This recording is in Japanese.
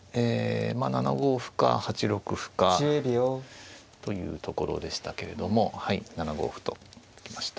７五歩か８六歩かというところでしたけれども７五歩と突きました。